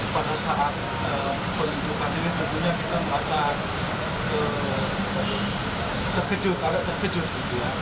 pada saat penunjukan ini tentunya kita merasa terkejut